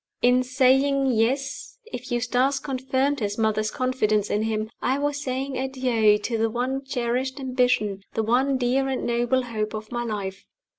In saying Yes (if Eustace confirmed his mother's confidence in him), I was saying adieu to the one cherished ambition, the one dear and noble hope of my life.